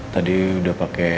tadi udah pake